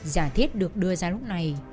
giả thiết được đưa ra lúc này